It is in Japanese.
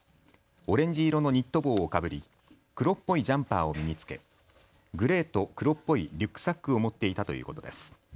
オレンジ色のニット帽をかぶり黒っぽいジャンパーを身に着けグレーと黒っぽいリュックサックを持っていたということです。